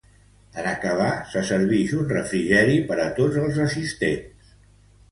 En acabar, se servix un refrigeri per a tots els assistents.